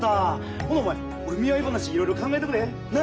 ほなお前俺見合い話いろいろ考えとくで！な？